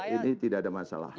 ini tidak ada masalah